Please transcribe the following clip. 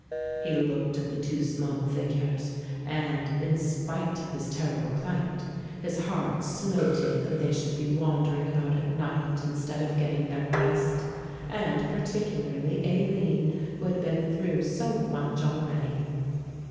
He looked at the two small figures and, in spite of his terrible plight, his heart smote him that they should be wandering about at night instead of getting their rest, and particularly Aline, who had been through so much already.